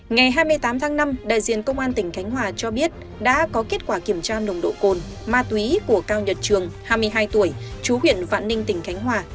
ngày hai mươi tám tháng năm đại diện công an tỉnh khánh hòa cho biết đã có kết quả kiểm tra nồng độ cồn ma túy của cao nhật trường hai mươi hai tuổi chú huyện vạn ninh tỉnh khánh hòa